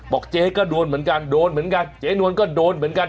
เจ๊ก็โดนเหมือนกันโดนเหมือนกันเจ๊นวลก็โดนเหมือนกัน